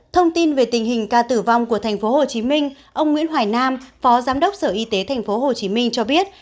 thông tin về tình hình ca tử vong của tp hcm ông nguyễn hoài nam phó giám đốc sở y tế tp hcm cho biết